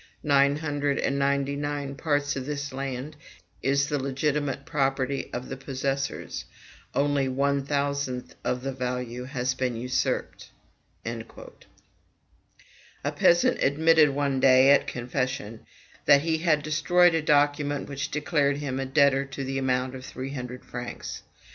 Nine hundred and ninety nine parts of this land is the legitimate property of the possessors; only one thousandth of the value has been usurped." A peasant admitted one day, at confession, that he had destroyed a document which declared him a debtor to the amount of three hundred francs.